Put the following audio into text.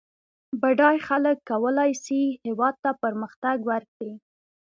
بډای خلک کولای سي هېواد ته پرمختګ ورکړي